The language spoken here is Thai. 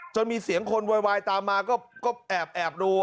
มีเสียงคนโวยวายตามมาก็แอบดู